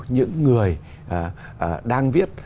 những người đang viết